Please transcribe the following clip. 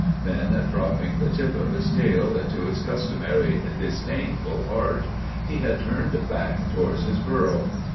Then, dropping the tip of his tail into its customary disdainful arch, he had turned back towards his burrow.